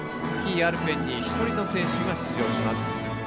スキー・アルペンに１人の選手が出場します。